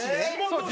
そう。